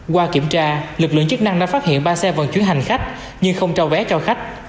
qua kiểm tra lực lượng chức năng đã phát hiện ba xe vận chuyển hành khách nhưng không trao vé cho khách